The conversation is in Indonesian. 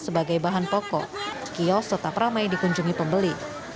sebagai bahan pokok kios tetap ramai dikunjungi pembeli